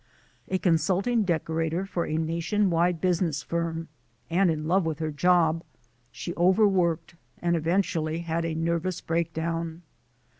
A consulting decorator for a nation wide business firm and in love with her job, she overworked and eventually had a nervous breakdown.